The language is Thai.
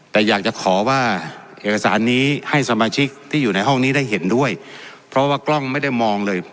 แต่อยากจะขอว่าเอกสารนี้ให้สมาชิกที่อยู่ในห้องนี้ได้เห็นด้วยเพราะว่ากล้องไม่ได้มองเลย